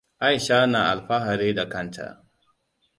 Aisha na alfahari da kanta.